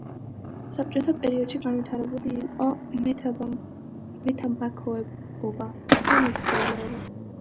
საბჭოთა პერიოდში განვითარებული იყო მეთამბაქოეობა და მეცხოველეობა.